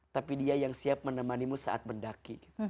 tapi dia yang siap menemanimu saat mendaki